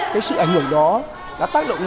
cái sự ảnh hưởng đó đã tác động